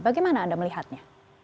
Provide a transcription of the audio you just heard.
bagaimana anda melihatnya